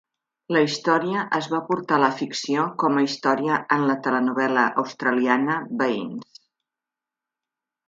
La història es va portar a la ficció com a història en la telenovel·la australiana "Veïns".